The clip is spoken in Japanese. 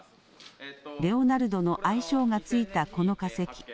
レオナルドの愛称が付いた、この化石。